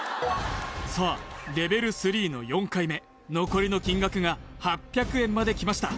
さあレベル３の４回目残りの金額が８００円まできました